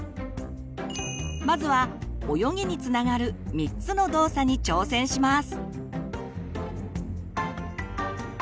まずは泳ぎにつながる３つの動作に挑戦します。